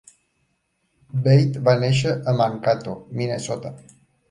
Bate va néixer a Mankato, Minnesota.